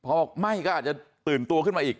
พอบอกไหม้ก็อาจจะตื่นตัวขึ้นมาอีก